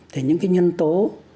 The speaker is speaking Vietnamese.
thì những cái nhân tố